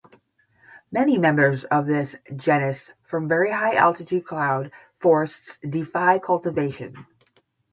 Many members of this genus from very high altitude cloud forests defy cultivation.